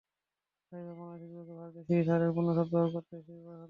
স্বাভাবিকভাবে বাংলাদেশের বিপক্ষে ভারতের সিরিজ হারের পূর্ণ সদ্ব্যবহার করতে পিছপা হননি শ্রীনি।